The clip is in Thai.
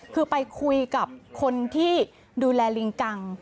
คือไปคุยกับคนที่ดูแลลิงกัง